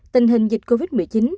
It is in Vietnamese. tình hình dịch covid một mươi chín